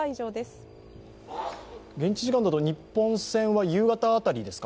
現地時間だと日本戦は夕方辺りですか？